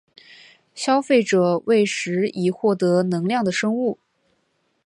消费者为食以获得能量的生物。